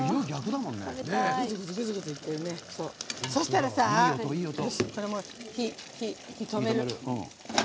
そしたらさ、火を止める。